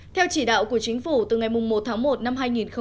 theo chỉ đạo của chính phủ từ ngày một tháng một năm hai nghìn một mươi tám